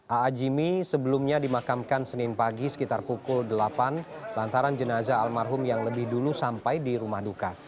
aa jimmy sebelumnya dimakamkan senin pagi sekitar pukul delapan lantaran jenazah almarhum yang lebih dulu sampai di rumah duka